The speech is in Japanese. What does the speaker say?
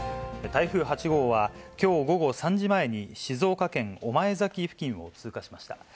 台風８号は、きょう午後３時前に静岡県御前崎付近を通過しました。